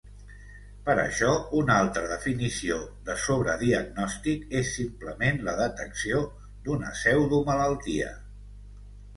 Per això, una altra definició de sobrediagnòstic es simplement la detecció d"una pseudo-malaltia.